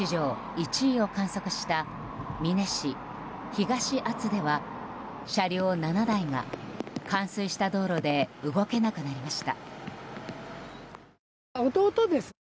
１位を観測した美祢市東厚保では車両７台が冠水した道路で動けなくなりました。